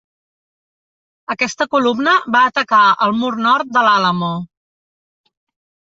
Aquesta columna va atacar el mur nord de l'Àlamo.